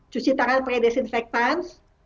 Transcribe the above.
cuci tangan pakai desinfektan